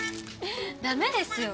ダメですよ。